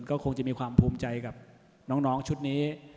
ก็คงจะมีความภูมิใจกับน้องชุดนี้